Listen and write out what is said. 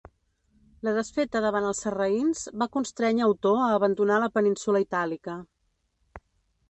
La desfeta davant els sarraïns va constrènyer Otó a abandonar la península Itàlica.